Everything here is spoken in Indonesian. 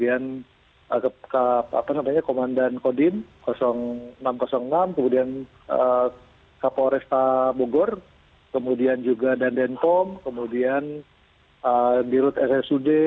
artinya komandan kodim enam ratus enam kemudian kapolresta bogor kemudian juga dandenkom kemudian dirut ssud